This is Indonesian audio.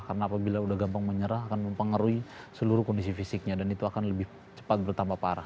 karena apabila udah gampang menyerah akan mempengaruhi seluruh kondisi fisiknya dan itu akan lebih cepat bertambah parah